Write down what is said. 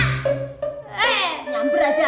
he ngambur aja